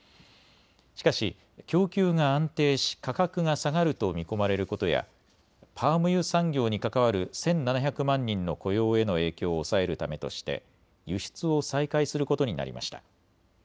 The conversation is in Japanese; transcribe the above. しかし供給が安定し価格が下がると見込まれることやパーム油産業に関わる１７００万人の雇用への影響を抑えるためとして輸出を再開することになりました。